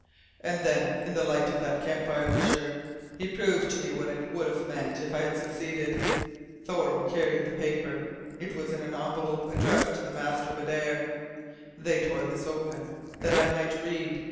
And then in the light of that campfire, M'sieur he proved to me what it would have meant if I had succeeded. Thoreau carried the paper. It was in an envelope, addressed to the master of Adare. They tore this open, that I might read.